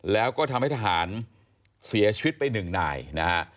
แล้วก็ทำให้ทหารเสียชีวิตไป๑นายนะครับ